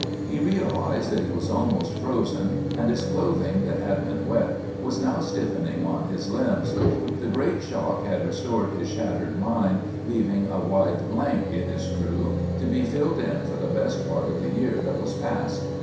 He realized that he was almost frozen, and his clothing, that had been wet, was now stiffening on his limbs. The great shock had restored his shattered mind, leaving a wide blank, it is true, to be filled in for the best part of the year that was past.